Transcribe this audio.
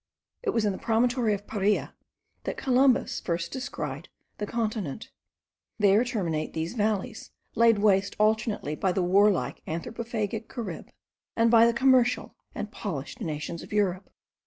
It was in the promontory of Paria that Columbus first descried the continent; there terminate these valleys, laid waste alternately by the warlike anthropophagic Carib and by the commercial and polished nations of Europe.